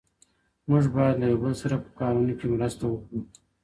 موږ باید له یو بل سره په کارونو کې مرسته وکړو.